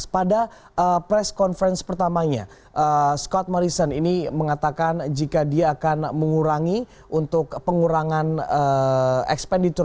pada press conference pertamanya scott morrison ini mengatakan jika dia akan mengurangi untuk pengurangan ekspenditure